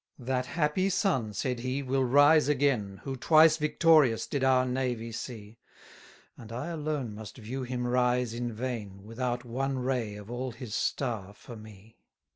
100 That happy sun, said he, will rise again, Who twice victorious did our navy see: And I alone must view him rise in vain, Without one ray of all his star for me.